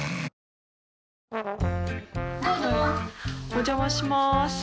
お邪魔します